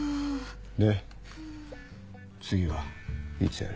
で次はいつやる？